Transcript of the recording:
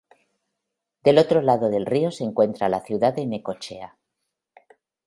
Del otro lado del río se encuentra la ciudad de Necochea.